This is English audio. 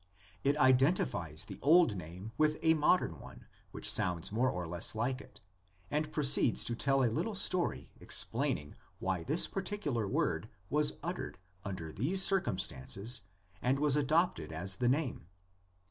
It identifies the old name with a modern one which sounds more or less like it, and proceeds to tell a little story explaining why this particular word was uttered under these circumstances and was adopted as the name.